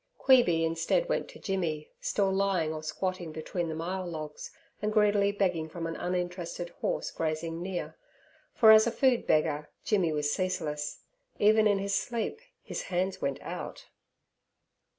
Queeby instead went to Jimmy, still lying or squatting between the myall logs, and greedily begging from an uninterested horse grazing near, for as a food beggar Jimmy was ceaseless; even in his sleep his hands went out.